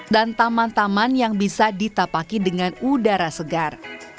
dan taman taman yang bisa ditapaki dengan udara segar